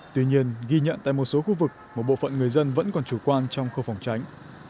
tuy nhiên ghi nhận tại một số khu vực một bộ phận người dân vẫn còn chủ quan trong khâu phòng tránh